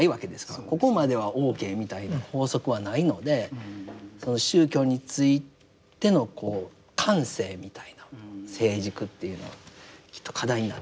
ここまではＯＫみたいな法則はないので宗教についてのこう感性みたいな成熟っていうのはきっと課題になってくるんじゃないか。